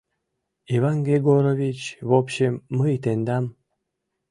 — Иван Егорович, вобщем, мый тендам...